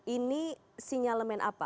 ini sinyalemen apa